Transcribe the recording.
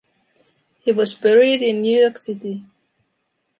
He was buried in New York City.